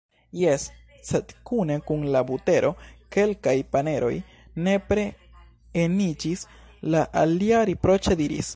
"Jes, sed kune kun la butero kelkaj paneroj nepre eniĝis," la alia riproĉe diris.